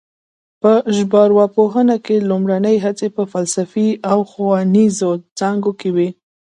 په ژبارواپوهنه کې لومړنۍ هڅې په فلسفي او ښوونیزو څانګو کې وې